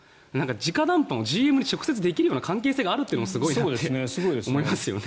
直談判をＧＭに直接できる関係性があるのがすごいなって思いますね。